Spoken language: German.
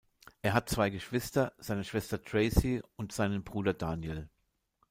Er hat zwei Geschwister, seine Schwester Tracey und seinen Bruder Daniel.